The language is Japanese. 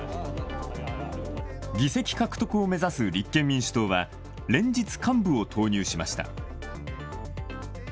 議席獲得を目指す立憲民主党は、連日幹部を投入しました。